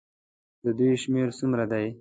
د دوی شمېر څومره دی.